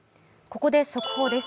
ここで速報です。